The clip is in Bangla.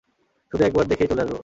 শুধু একবার দেখেই চলে আসবো।